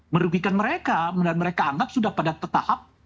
merugikan mereka dan mereka anggap sudah pada tetahap